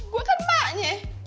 gue kan emaknya